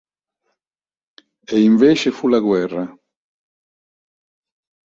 E invece fu la guerra.